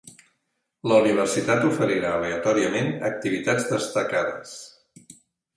La Universitat oferirà aleatòriament activitats destacades.